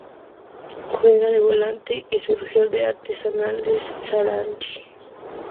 Juega de volante y surgió de Arsenal de Sarandí.